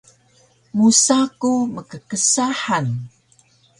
musa ku mkksa han